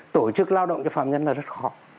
tổ chức lao động cho phạm nhân là rất khó